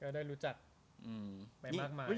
ได้รู้จักไปมากมาย